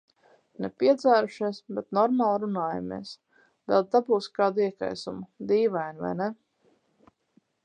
Ne piedzērušies, bet normāli runājamies. Vēl dabūs kādu iekaisumu. Dīvaini vai nē.